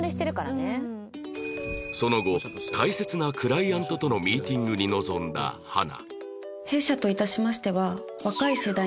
その後大切なクライアントとのミーティングに臨んだ花